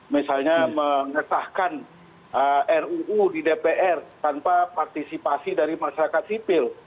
misalnya mengesahkan ruu di dpr tanpa partisipasi dari masyarakat sipil